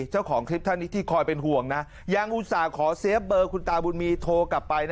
เจ้าของคลิปท่านนี้ที่คอยเป็นห่วงนะยังอุตส่าห์ขอเซฟเบอร์คุณตาบุญมีโทรกลับไป